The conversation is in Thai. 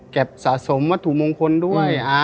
สะสมวัตถุมงคลด้วย